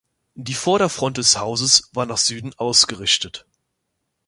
Die Vorderfront des Hauses war nach Süden ausgerichtet.